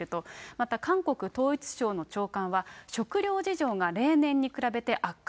また韓国統一省の長官は、食料事情が例年に比べて悪化。